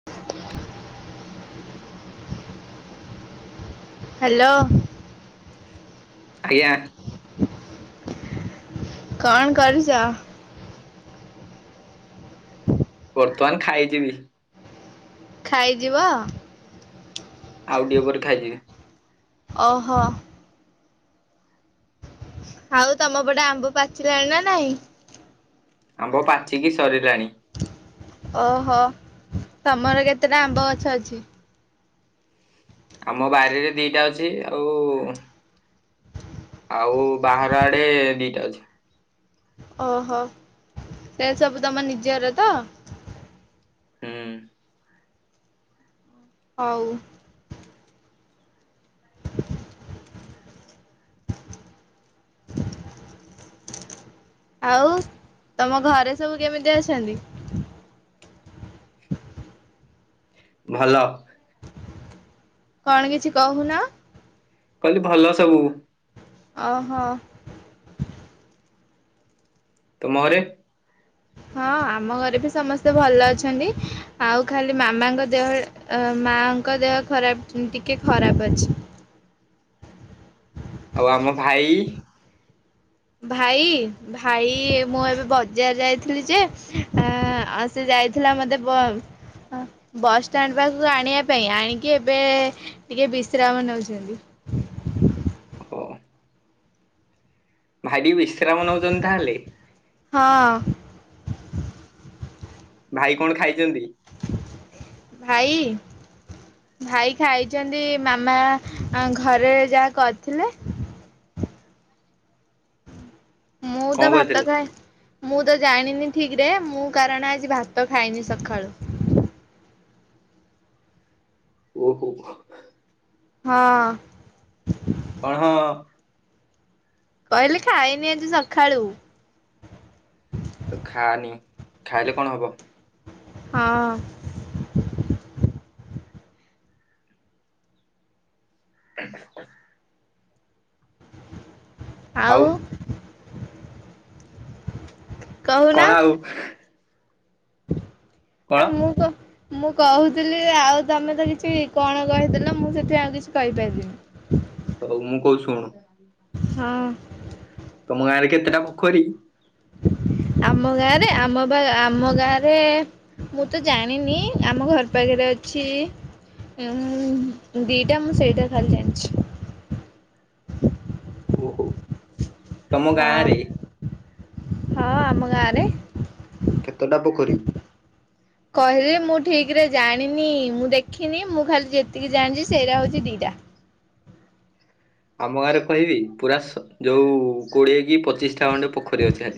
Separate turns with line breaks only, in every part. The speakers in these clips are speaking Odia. [inaudible] ହ୍ୟାଲୋ।
ଆଜ୍ଞା।
କଣ କରୁଚ?
ବର୍ତ୍ତମାନ ଖାଇଯିବି।
ଖାଇଯିବ?
ଆଉ ଟିକେ ପରେ ଖାଇଯିବେ।
ଅ ହ। ଆଉ ତମ ପଟେ ଆମ୍ବ ପାଚିଲାଣି ନା ନାଇଁ?
ଆମ୍ବ ପାଚିକି ସରିଲାଣି।
ଅ ହ ତମର କେତେଟା ଆମ୍ବ ଗଛ ଅଛି?
ଆମ ବାରିରେ ଦିଟା ଅଛି ଆଉ ଆଉ ବାହାର ଆଡେ ଦିଟା ଅଛି।
ଅ ହ ସେ ସବୁ ତମ ନିଜର ତ?
ହୁଁ।
ହଉ। [inaudible] ଆଉ ତମ ଘରେ ସବୁ କେମିତି ଅଛନ୍ତି?
ଭଲ।
କଣ କିଛି କହୁନ?
କହିଲି ଭଲ ସବୁ।
ଅହ।
ତୁମ ଘରେ?
ହଁ ଆମ ଘରେ ବି ସମସ୍ତେ ଭଲ ଅଛନ୍ତି। ଆଉ ଖାଲି ମାମାଙ୍କ ଦେହ ଅ ମାଙ୍କ ଦେହ ଖରାପ ଟିକେ ଖରାପ ଅଛି।
ଆଉ ଆମ ଭାଇ?
ଭାଇ, ଭାଇ ମୁଁ ଏବେ ବଜାର ଯାଇଥିଲି ଯେ ଆଁ ଆଉ ସେ ଯାଇଥିଲା ମୋତେ ବସଷ୍ଟାଣ୍ଡ ପାଖକୁ ଆଣିବା ପାଇଁ ଆଣିକି ଏବେ ଟିକେ ବିଶ୍ରାମ ନଉଚନ୍ତି।
ଓହୋ ଭାଇଟିକେ ବିଶ୍ରାମ ନଉଚନ୍ତି ତାହେଲେ।
ହଁ।
ଭାଇ କଣ ଖାଇଚନ୍ତି?
ଭାଇ। ଭାଇ ଖାଇଚନ୍ତି ମାମା ଆଁ ଘରେ ଯାହା କରିଥିଲେ। ମୁଁ
କଣ
ତ ଭାତ
କରିଥିଲେ?
ଖାଏ। ମୁଁ ତ ଜାଣିନି ଠିକିରେ ମୁଁ କାରଣ ଆଜି ଭାତ ଖାଇନି ସକାଳୁ।
ଓହୋ।
ହଁ।
କଣ ହଁ?
କହିଲି ଖାଇନି ଆଜି ସକାଳୁ।
ତୁ ଖାନି ଖାଇଲେ କଣ ହବ?
ହଁ।
ଉଁ ହୁ। [inaudible]
ଆଉ। କହୁନ
କଣ ଆଉ? କଣ
ଆ ମୁଁ କ ମୁଁ କହୁଥିଲି ଆଉ ତମେ ତ କିଛି କଣ କହିଦେଲ ମୁଁ ସେଥି ଆଉ କିଛି କହିପାରିଲିନି।
ହଉ ମୁଁ କହୁଛି ଶୁଣୁ।
ହଁ।
ତମ ଗାଁରେ କେତେଟା ପୋଖରୀ?
ଆମ ଗାଁରେ ଆମ ବା ଆମ ଗାଁ ରେ ମୁଁ ତ ଜାଣିନି ଆମ ଘର ପାଖରେ ଅଛି ଉଁ ଦିଟା ମୁଁ ସେଇଟା ଖାଲି ଜାଣିଛି।
ଓହୋ। ତମ ଗାଁ ରେ
ହଁ ହଁ ଆମ ଗାଁରେ।
କେତେଟା ପୋଖରୀ?
କହିଲେ ମୁଁ ଠିକ୍ ରେ ଜାଣିନି ମୁଁ ଦେଖିନି ମୁଁ ଖାଲି ଯେତିକି ଜାଣିଛି ସେଇଟା ହଉଚି ଦିଟା।
ଆମ ଗାଁରେ କହିବି ପୁରା ଯୋଉ କୋଡିଏ କି ପଚିଶଟା ଖଣ୍ଡେ ପୋଖରୀ ଅଛି।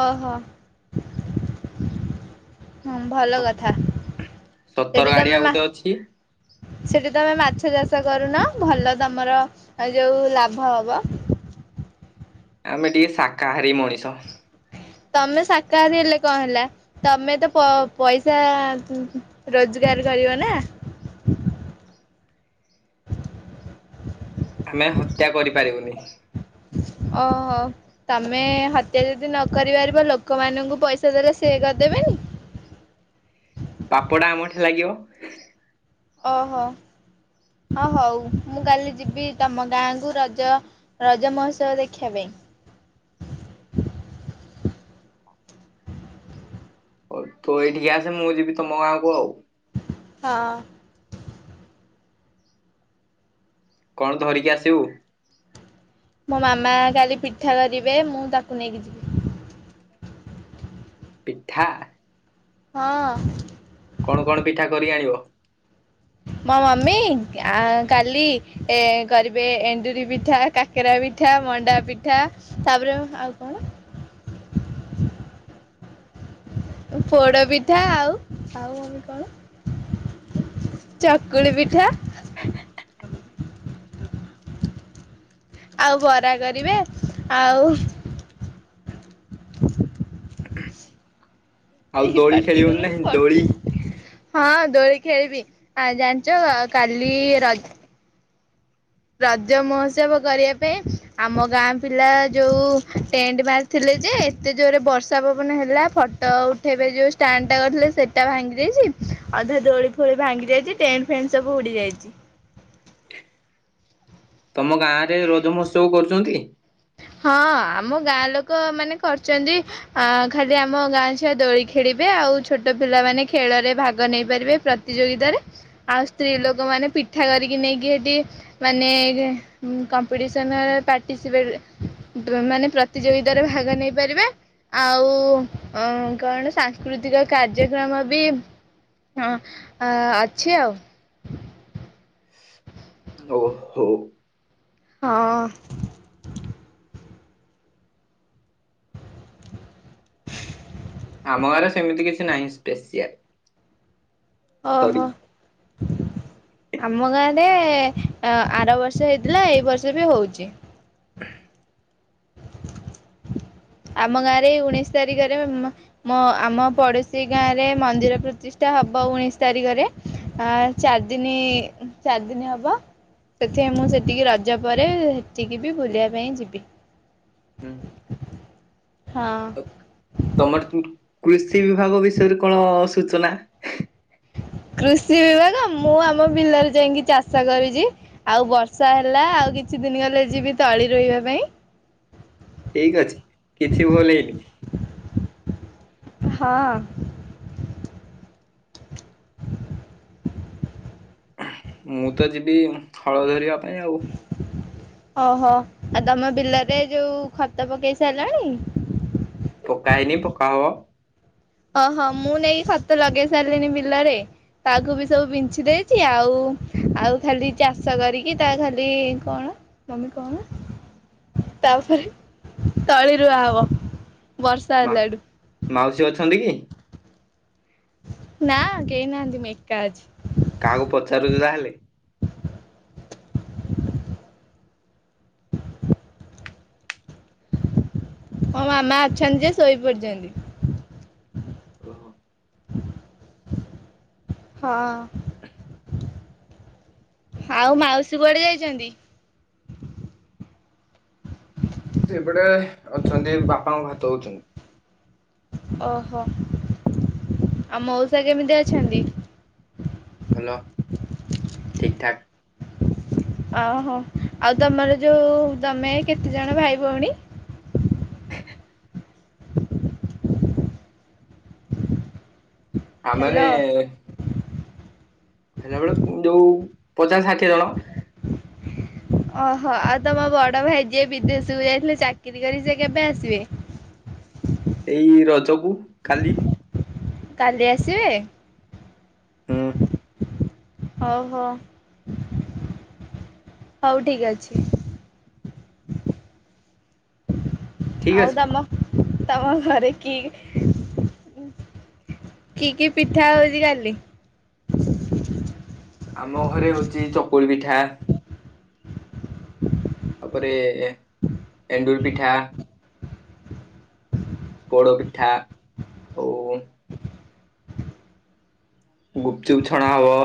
ଅହ। ହଁ ଭଲ
ସ
କଥା
ସତର
ଏଠି
ଗାଡିଆ
ତମେ ମା
ଗୋଟେ ଅଛି।
ସେଠି ତମେ ମାଛ ଚାଷ କରୁନ ଭଲ ତମର ଏ ଯୋଉ ଲାଭ ହବ।
ଆମେ ଟିକେ ଶାକାହାରୀ ମଣିଷ।
ତମେ ଶାକାହାରୀ ହେଲେ କଣ ହେଲା। ତମେ ତ ପ ପଇସା ରୋଜଗାର କରିବ ନାଁ।
ଆମେ ହତ୍ୟା କରିପାରିବୁନି।
ଅ ହ। ତମେ ହତ୍ୟା ଯଦି ନ କରି ପାରିବ ଲୋକମାନଙ୍କୁ ପଇସା ଦେଲେ ସେ କରିଦେବେନି।
ପାପଟା ଆମଠି ଲାଗିବ।
ଓହୋ ହ ହଉ ମୁଁ କାଲି ଯିବି ତମ ଗାଁକୁ ରଜ ରଜ ମହୋତ୍ସବ ଦେଖିବା ପାଇଁ।
ହଉ ତୁ ଏଇଠିକି ଆସେ ମୁଁ ଯିବି ତମ ଗାଁ କୁ ଆଉ।
ହଁ।
କଣ ଧରିକି ଆସିବୁ?
ମୋ ମାମା କାଲି ପିଠା ଧରିବେ ମୁଁ ତାକୁ ନେଇକି ଯିବି।
ପିଠା।
ହଁ।
କଣ କଣ ପିଠା କରିକି ଆଣିବ।
ମୋ ମମି କାଲି ଏ କରିବେ ଏଣ୍ଡୁରି ପିଠା କା କାକେରା ପିଠା ମଣ୍ଡା ପିଠା ତାପରେ ଆଉ କଣ? ପୋଡ ପିଠା ଆଉ ଆଉ ମମି କଣ? ଚକୁଳି ପିଠା? ଆଉ ବରା କରିବେ ଆଉ
ଆଉ ଦୋଳି
ପାଟି
ଖେଳିବନି
କରୁନି
ନାଁ
ପାଟି
ଦୋଳି।
ହଁ ଦୋଳି ଖେଳିବି ଆ ଜାଣିଚ କାଲି ର ରଜ ମହୋତ୍ସବ କରିବା ପାଇଁ ଆମ ଗାଁ ପିଲା ଯେଉଁ ଟେଣ୍ଟ ମାର୍କ ଥିଲେ ଯେ ଏତେ ଜୋରେ ବର୍ଷା ପବନ ହେଲା ଫଟୋ ଉଠାଇବେ ଯେଉଁ ଷ୍ଟାଣ୍ଡଟା କରିଥିଲେ ସେଇଟା ଭାଙ୍ଗି ଜାଇଛି। ଅଧା ଦୋଳି ଫୋଳି ଭାଙ୍ଗି ଯାଇଛି ଟେଣ୍ଟ ଫେଣ୍ଟ ସବୁ ଉଡି ଯାଇଛି।
ତମ ଗାଁ ରେ ରଜମହୋତ୍ସବ କରୁଚନ୍ତି।
ହଁ ଆମ ଗାଁ ଲୋକ ମାନେ କରିଚନ୍ତି। ଆ ଖାଲି ଆମ ଗାଁ ଛୁଆ ଦୋଳି ଖେଳିବେ ଆଉ ଛୋଟ ପିଲାମାନେ ଖେଳ ରେ ଭାଗ ନେଇ ପାରିବେ ପ୍ର ପ୍ରତିଯୋଗିତାରେ ଆଉ ସ୍ତ୍ରୀ ଲୋକ ମାନେ ପିଠା କରିକି ନେଇକି ହେଠି ମାନେ କମ୍ପିଟିସନ୍ ପାଟିସିପେଟ୍। ମାନେ ପ୍ରତିଯୋଗିତାରେ ଭାଗ ନେଇ ପାରିବେ। ଆଉ କଣ ସାଂସ୍କୃତିକ କାର୍ଯ୍ୟକ୍ରମ ବି ହଁ ଆ ଅଛି ଆଉ।
ଓ ହଉ।
ହଁ।
ଆମ ଗାଁରେ ସେମିତି କିଛି ନାହିଁ ସ୍ପେସିଆଲ।
ଅହ
ସରି
ଆମ ଗାଁ ରେ ଏ ଏ ଅଁ ଆର ବର୍ଷ ହେଇଥିଲା ଏଇ ବର୍ଷ ବି ହଉଚି।
[unintelligible]
ଆମ ଗାଁ ଏଇ ଉଣେଇଶ ତାରିଖରେ ମା ମ ଆମ ପଡୋଶୀ ଗାଁ ରେ ମନ୍ଦିର ପ୍ରତିଷ୍ଠା ହବ ଉଣେଇଶି ତାରିଖରେ। ଆ ଚାର ଦିନି ଚାର ଦିନି ହବ। ସେଥିପାଇଁ ମୁଁ ସେତିକି ରଜ ପରେ ହେଠିକି ବି ବୁଲିବା ପାଇଁ ଯିବି।
ହୁଁ।
ହଁ।
ତମର କୁ କୃଷି ବିଭାଗ ବିଷୟରେ କଣ ସୂଚନା?
କୃଷି ବିଭାଗ ମୁଁ ଆମ ବିଲରେ ଯାଇଁକି ଚାଷ କରୁଚି। ଆଉ ବର୍ଷା ହେଲା ଆଉ କିଛି ଦିନି ଗଲେ ଯିବି ତଳି ରୋଇବା ପାଇଁ।
ଠିକ୍ ଅଛି କିଛି ଭୁଲୁ ହେଇନି।
ହଁ।
ମୁଁ ତ ଯିବି ଉଁ ହଳ ଧରିବା ପାଇଁ ଆଉ।
ଓହୋ ଆଉ ତମ ବିଲରେ ଯୋଉ ଖତ ପକେଇ ସାଇଲଣି?
ପକା ହେଇନି ପକା ହବ।
ଓହୋ ମୁଁ ନେଇକ ଖତ ଲଗେଇ ସାଇଲିିଣି ବିଲରେ। ତାକୁ ବି ସବୁ ବିଞଛି ଦେଇଛି ଆଉ ଆଉ ଖାଲି ଚାଷ କରିକି ତା ଖାଲି କଣ ମମି କଣ ତାପରେ ତଳିରୁୁଆ ହବ। ବର୍ଷା
ମା
ହେଲାଠୁ।
ମାଉସୀ ଅଛନ୍ତି କି?
ନା କେହି ନାହାନ୍ତି ମୁଁ ଏକା ଅଛି।
କାହାକୁ ପଚାରୁଚୁ ତାହେଲେ?
ମୋ ମାମା ଅଛନ୍ତି ଯେ ଶୋଇ ପଡିଚନ୍ତି।
ଓହୋ।
ହଁ। ଆଉ ମାଉସୀ କୁଆଡ଼େ ଯାଇଚନ୍ତି?
ସେଇପଟେ ଅଛନ୍ତି ବାପାଙ୍କୁ ଭାତ ଦଉଚନ୍ତି।
ଓହୋ ଆଉ ମଉସା କେମିତି ଅଛନ୍ତି?
ଭଲ ଠିକ୍ ଠାକ୍।
ଆହୋ ଆଉ ତମର ଯୋଉ ଉ ଉ ତମେ କେତେଜଣ ଭାଇ ଭଉଣୀ? [unintelligible]
ଆମାନେ
ହ୍ୟାଲୋ
ଏ ଏ ହେଲା ବେଳକୁଁ ଯୋଉ ପଚାଶ ଷାଠିଏ ଜଣ
ଓହୋ ଆଉ ତମ ବଡ଼ ଭାଇ ଯିଏ ବିଦେଶକୁ ଯାଇଥିଲେ ଚାକିରୀ କରି ସିଏ କେବେ ଆସିବେ?
ଏଇ ରଜକୁ କାଲି।
କାଲି ଆସିବେ?
ହୁଁ।
ହଉ ହ ହଉ ଠିକି ଅଛି।
ଠିକ
ଆଉ
ଅଛି
ତମ ତମ ଘରେ କି କି କି ପିଠା ହଉଚି କାଲି? [unintelligible]
ଆମ ଘରେ ହଉଚି ଚକୁଳି ପିଠା ତାପରେ ଏଣ୍ଡୁୁଳି ପିଠା ପୋଡ଼ପିଠା ଆଉ ଗୁପଚୁପ ଛଣା ହବ।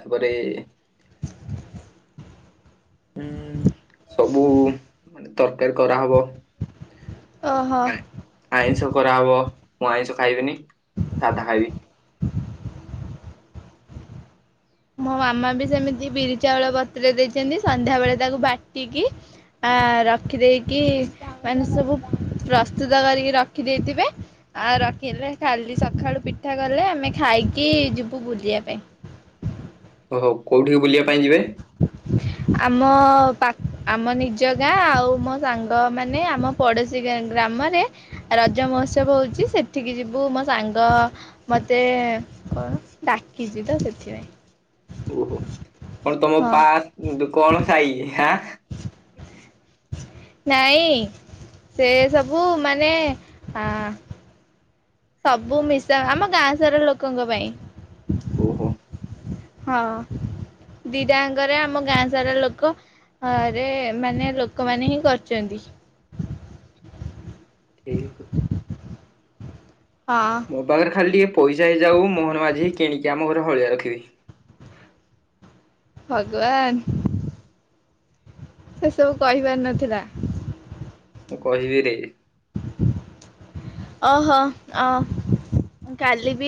ତାପରେ ଉଁ ସବୁ ମାନେ ତରକାରୀ କରାହବ।
ଓହୋ
ଆଁ ଆଇଁଷ କରରାହବ ମୁଁ ଆଇଁଷ ଖାଇବିନି ମୁଁ ସାଧା ଖାଇବି।
ମୋ ମାମା ବି ସେମିତି ବିରି ଚାଉଳ ବତ୍ରେଇ ଦେଇଚନ୍ତି ସନ୍ଧ୍ୟା ବେଳେ ତାକୁ ବାଟିକି ଆ ରଖି ଦେଇକି ମାନେ ସବୁ ପ୍ରସ୍ତୁତ କରିକି ରଖି ଦେଇେଇଥିବେ। ଆ ରଖିଲେ କାଲି ସକାଳୁ ପିଠା କଲେ ଆମେ ଖାଇକି ଯିବୁ ବୁଲିଆ ପାଇଁ।
ଓ ହୋ କେଉଠିକି ବୁଲିବା ପାଇଁ ଯିବେ?
ଆମ ପା ଆମ ନିଜ ଗାଁ ଆଉ ମୋ ସାଙ୍ଗ ମାନେ ଆମ ପଡୋଶୀ ଗ୍ରାମରେ ରଜ ମହୋତ୍ସବ ହଉଛି ସେଠିକି ଯିବୁ ମୋ ସାଙ୍ଗ ମତେ କଣ ଡାକିଚି ତ ସେଥିପାଇଁ।
ଓହୋ କଣ ତମ
ହଁ
ପା କଣ ସାଇ ହା?
ନାଇଁ ସେ ସବୁ ମାନେ ଅ ସବୁ ମିଶା ଆମ ଗାଁ ସାରା ଲୋକଙ୍କ ପାଇଁ।
ଓହୋ।
ହଁ ଦିଟାଙ୍କରେ ଆମ ଗାଁ ସାରା ଲୋକ ଆରେ ମାନେ ଲୋକମାନେ ହିଁ କରଚନ୍ତି।
ଠିକ୍ ଅଛି।
ହଁ।
ମୋ ପାଖରେ ଖାଲି ଟିକେ ପଇସା ହେଇଯାଉ ମୋହନ ମାଝି କି କିଣିକି ଆମ ଘରେ ହଳିଆ ରଖିବି।
ଭଗବାନ। ସେ ସବୁ କହିବାର ନଥିଲା।
ମୁଁ କହିବିରେ।
ଅ ହ ଅ କାଲି ବି